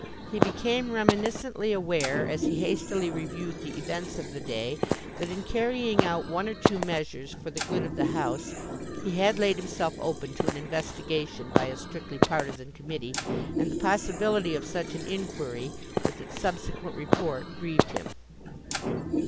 He became reminiscently aware as he hastily reviewed the events of the day, that in carrying out one or two measures for the good of the house, he had laid himself open to an investigation by a strictly partisan committee, and the possibility of such an inquiry, with its subsequent report, grieved him.